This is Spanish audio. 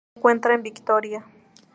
Se encuentra en Victoria.